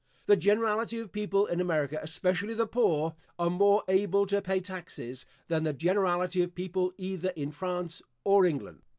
The generality of people in America, especially the poor, are more able to pay taxes, than the generality of people either in France or England.